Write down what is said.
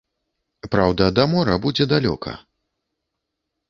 Праўда, да мора будзе далёка.